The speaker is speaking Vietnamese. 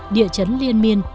địa chấn liên miên